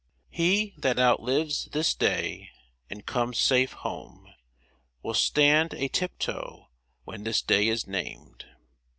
He that outlives this day and comes safe home, Will stand a tip toe when this day is named.